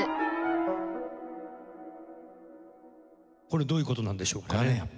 これどういう事なんでしょうか？